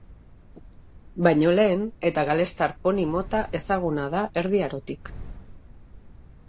Baino lehen, eta galestar poni mota ezaguna da Erdi Arotik.